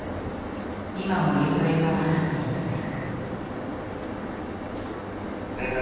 今も行方が分かっていません。